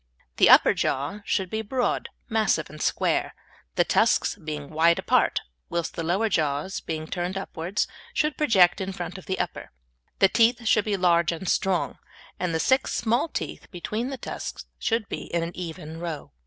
The upper jaw should be broad, massive, and square, the tusks being wide apart, whilst the lower jaw, being turned upwards, should project in front of the upper. The teeth should be large and strong, and the six small teeth between the tusks should be in an even row.